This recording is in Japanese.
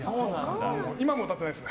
今も歌ってないですね。